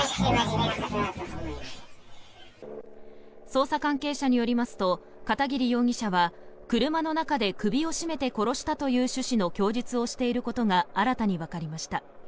捜査関係者によりますと片桐容疑者は車の中で首を絞めて殺したという趣旨の供述をしていることが新たにわかりました。